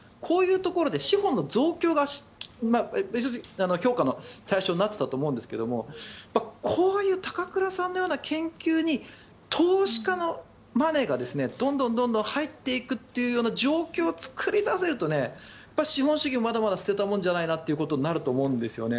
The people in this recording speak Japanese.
こういうところで資本の増強が評価の対象になってたと思うんですがこういう高倉さんのような研究に投資家のマネーがどんどん入っていくという状況を作り出せると資本主義はまだまだ捨てたもんじゃないなということになると思うんです。